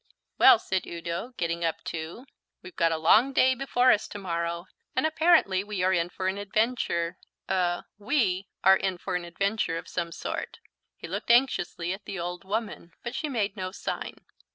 "Well," said Udo, getting up too, "we've got a long day before us to morrow, and apparently we are in for an adventure er, we are in for an adventure of some sort." He looked anxiously at the old woman, but she made no sign.